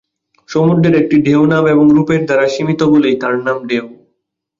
সমুদ্রের একটি ঢেউ নাম এবং রূপের দ্বারা সীমিত বলেই তার নাম ঢেউ।